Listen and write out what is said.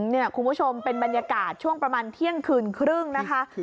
คุณผู้ชมเป็นบรรยากาศช่วงประมาณเที่ยงคืนครึ่งนะคะ